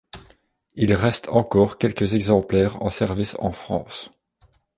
Il reste encore quelques exemplaires en service en France.